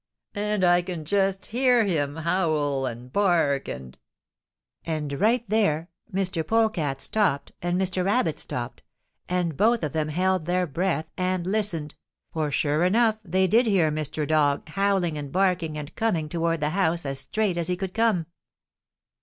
And I can just hear him howl and bark, and ' "And right there Mr. Polecat stopped and Mr. Rabbit stopped, and both of them held their breath and listened, for sure enough they did hear Mr. Dog howling and barking and coming toward the house as straight as he could come.